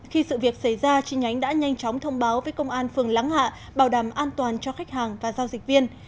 khi sự việc xảy ra chi nhánh đã nhanh chóng thông báo với công an phường lắng hạ bảo đảm an toàn cho khách hàng và giao dịch viên